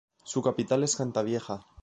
Su capital es Cantavieja.